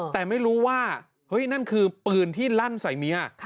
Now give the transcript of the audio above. แต่ไม่รู้ว่าเฮ้ยนั่นคือปืนที่ลั่นใส่เมีย